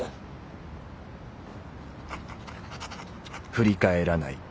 「振り返らない